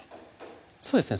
そうですね